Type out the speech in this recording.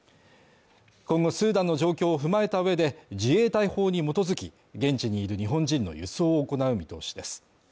今後スーダンの状況を踏まえた上で、自衛隊法に基づき、現地にいる日本人の輸送を行う見通しです。